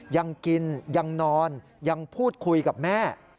ยังกินยังนอนยังพูดคุยกับแม่